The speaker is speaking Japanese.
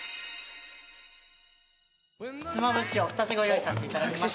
ひつまぶしをお二つご用意させていただきました。